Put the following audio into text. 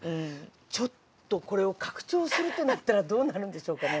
ちょっとこれを拡張するとなったらどうなるんでしょうかね？